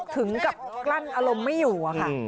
ถึงกับกลั้นอารมณ์ไม่อยู่อะค่ะ